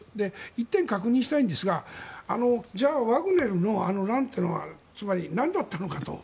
１点、確認したいんですがワグネルの乱というのはつまり、なんだったのかと。